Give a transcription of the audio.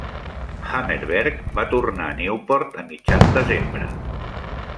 Hammerberg va tornar a Newport a mitjan desembre.